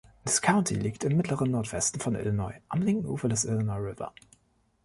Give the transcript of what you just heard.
Das County liegt im mittleren Nordwesten von Illinois am linken Ufer des Illinois River.